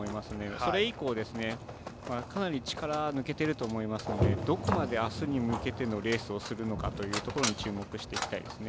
それ以降、かなり力抜けてると思いますのでどこまであすに向けてのレースをするのかというところ注目していきたいですね。